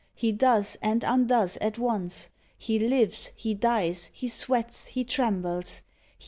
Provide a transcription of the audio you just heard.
He does and undoes at once. He lives, he dies, he sweats, he trembles.